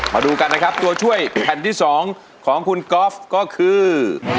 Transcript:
มาดูกันนะครับตัวช่วยแผ่นที่๒ของคุณก๊อฟก็คือ